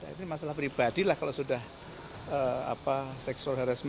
ini masalah pribadilah kalau sudah seksual heresmik